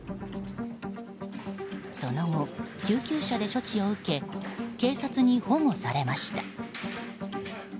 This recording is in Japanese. その後、救急車で処置を受け警察に保護されました。